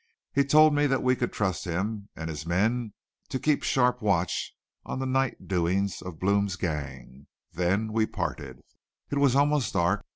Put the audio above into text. He told me that we could trust him and his men to keep sharp watch on the night doings of Blome's gang. Then we parted. It was almost dark.